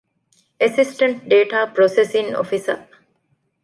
އެސިސްޓެންޓް ޑޭޓާ ޕްރޮސެސިންގ އޮފިސަރ